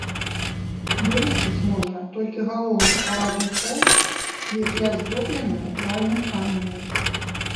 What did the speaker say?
Вылучыць можна толькі галоўны парадны хол, які аздоблены натуральным каменем.